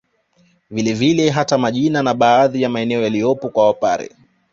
Vile vile hata majina na baadhi ya maeneo yaliyopo kwa Wapare